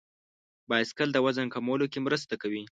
بایسکل د وزن کمولو کې مرسته کوي.